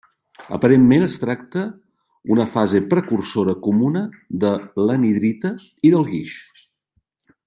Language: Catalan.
Aparentment, es tracta una fase precursora comuna de l'anhidrita i del guix.